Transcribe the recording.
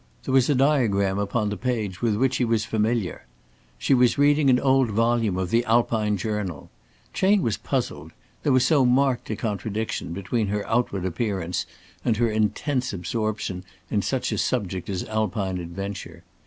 There was a diagram upon the page with which he was familiar. She was reading an old volume of the "Alpine Journal." Chayne was puzzled there was so marked a contradiction between her outward appearance and her intense absorption in such a subject as Alpine adventure.